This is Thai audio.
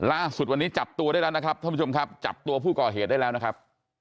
ล่าสุดวันนี้จับตัวได้แล้วนะครับท่านผู้ชมครับจับตัวผู้ก่อเหตุได้แล้วนะครับ